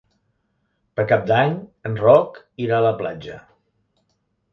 Per Cap d'Any en Roc irà a la platja.